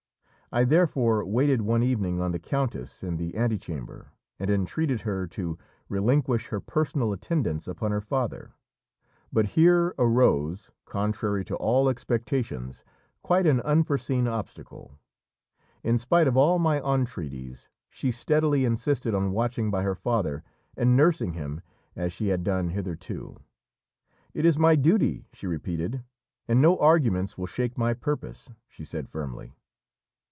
I therefore waited one evening on the countess in the antechamber and entreated her to relinquish her personal attendance upon her father. But here arose, contrary to all expectations, quite an unforeseen obstacle. In spite of all my entreaties she steadily insisted on watching by her father and nursing him as she had done hitherto. "It is my duty," she repeated, "and no arguments will shake my purpose," she said firmly.